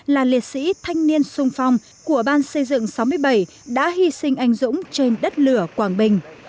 là liệt sĩ thanh niên sung phong của ban xây dựng sáu mươi bảy đã hy sinh anh dũng trên đất lửa quảng bình